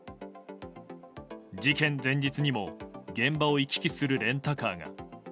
事件前日にも現場を行き来するレンタカーが。